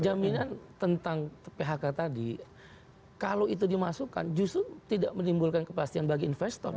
jaminan tentang phk tadi kalau itu dimasukkan justru tidak menimbulkan kepastian bagi investor